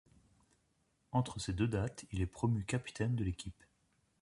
Entre ces deux dates, il est promu capitaine de l'équipe.